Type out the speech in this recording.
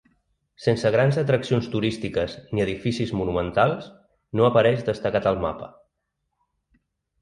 Sense grans atraccions turístiques ni edificis monumentals, no apareix destacat al mapa.